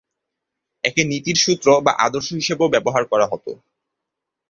একে নীতির সূত্র বা আদর্শ হিসেবেও ব্যবহার করা হতো।